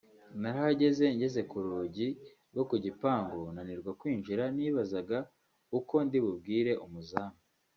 narahageze ngeze ku rugi rwo ku gipangu nanirwa kwinjira nibazaga uko ndibubwire umuzamu